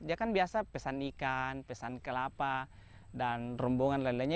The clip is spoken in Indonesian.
dia kan biasa pesan ikan pesan kelapa dan rombongan lain lainnya